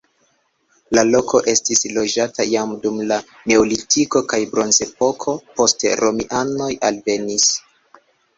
La loko estis loĝata jam dum la neolitiko kaj bronzepoko, poste romianoj alvenis.